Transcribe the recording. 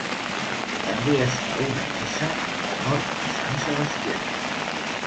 També es fa una missa en honor a Sant Sebastià.